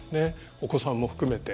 お子さんも含めて。